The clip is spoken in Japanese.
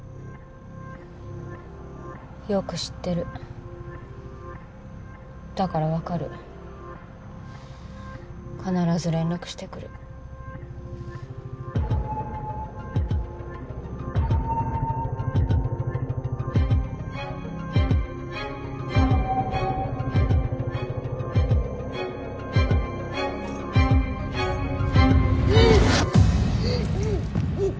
よく知ってるだから分かる必ず連絡してくるんん！